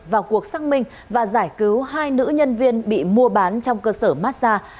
vào cuộc xác minh và giải cứu hai nữ nhân viên bị mua bán trong cơ sở massage